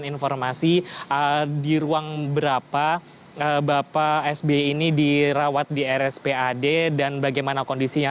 informasi di ruang berapa bapak sby ini dirawat di rspad dan bagaimana kondisinya